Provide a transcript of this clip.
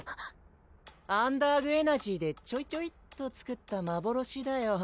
アンダーグ・エナジーでちょいちょいっと作った幻だよ